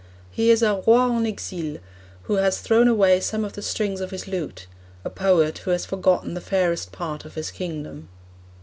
He is a roi en exil who has thrown away some of the strings of his lute; a poet who has forgotten the fairest part of his kingdom.